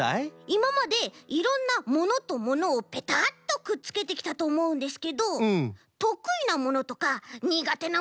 いままでいろんなものとものをぺたっとくっつけてきたとおもうんですけどとくいなものとかにがてなものってあるんですか？